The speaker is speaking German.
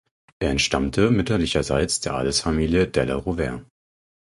Er entstammte mütterlicherseits der Adelsfamilie Della Rovere.